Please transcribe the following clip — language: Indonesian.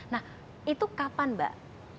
nah itu kapan mbak